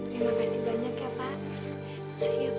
terima kasih banyak ya pak